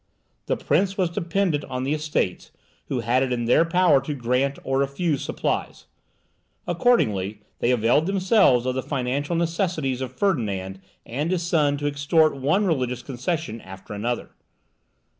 The prince was dependent on the Estates, who had it in their power to grant or refuse supplies. Accordingly, they availed themselves of the financial necessities of Ferdinand and his son to extort one religious concession after another.